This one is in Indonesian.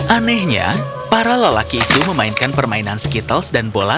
anehnya para lelaki itu memainkan permainan skittles dan bola